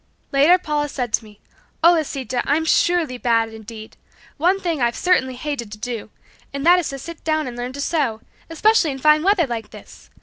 Later Paula said to me, "Oh, Lisita, I'm surely bad indeed. One thing I've certainly hated to do, and that is to sit down and learn to sew, especially in fine weather like this.